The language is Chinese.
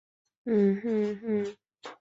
白石一文目前与妻子住在东京。